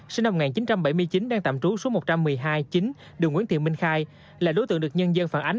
sinh năm một nghìn chín trăm bảy mươi chín đang tạm trú số một trăm một mươi hai chín đường nguyễn thị minh khai là đối tượng được nhân dân phản ánh